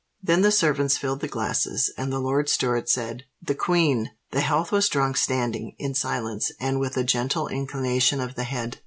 Then the servants filled the glasses, and the Lord Steward said, "The Queen!" The health was drunk standing, in silence, and with a gentle inclination of the head.